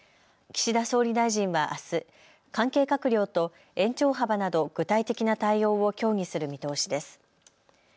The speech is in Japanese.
岸田総理大臣はあす、関係閣僚と延長幅など具体的な対応を協議する見通しです。